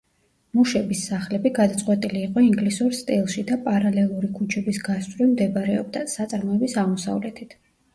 მუშების სახლები, გადაწყვეტილი იყო ინგლისურ სტილში და პარალელური ქუჩების გასწვრივ მდებარეობდა, საწარმოების აღმოსავლეთით.